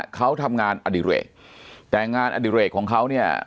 เขาทำงานอดิเรกแต่งานอดิเรกของเขาเนี่ย